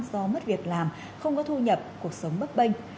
do mất việc làm không có thu nhập cuộc sống bất bình